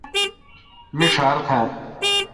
می ݭار تھال۔